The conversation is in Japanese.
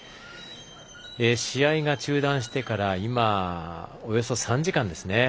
試合が中断してからおよそ３時間ですね。